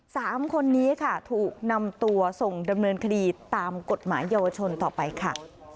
สามคนนี้ค่ะถูกนำตัวส่งดำเนินคดีตามกฎหมายเยาวชนต่อไปค่ะ